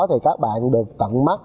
thì các bạn được tận mắt